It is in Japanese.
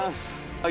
はい。